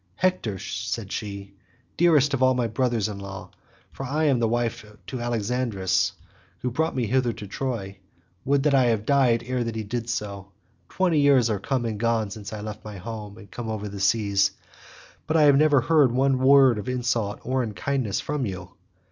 "Hector," said she, "dearest of all my brothers in law—for I am wife to Alexandrus who brought me hither to Troy—would that I had died ere he did so—twenty years are come and gone since I left my home and came from over the sea, but I have never heard one word of insult or unkindness from you.